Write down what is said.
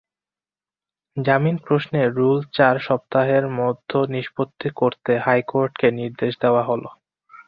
জামিন প্রশ্নে রুল চার সপ্তাহের মধ্য নিষ্পত্তি করতে হাইকোর্টকে নির্দেশ দেওয়া হলো।